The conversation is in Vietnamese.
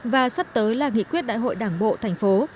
và sắp tới là nghị quyết đại hội đảng bộ thành phố